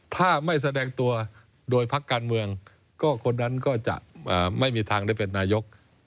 ถ้าไม่แสดงตัวโดยพักการเมืองก็คนนั้นก็จะไม่มีทางได้เป็นนายก